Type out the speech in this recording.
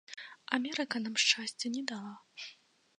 Амерыка нам шчасця не дала.